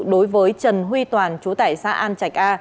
đối với trần huy toàn chú tải xã an trạch a